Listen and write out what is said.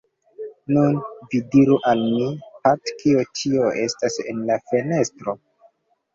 “Nun, vi diru al mi, Pat, kio tio estas en la fenestro?”